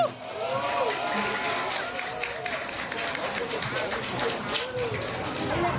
สวัสดีครับสวัสดีครับ